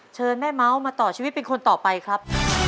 เชิญแม่เมาส์มาต่อชีวิตเป็นคนต่อไปครับ